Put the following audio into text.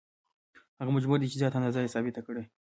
هغه مجبور دی چې زیاته اندازه یې ثابته کړي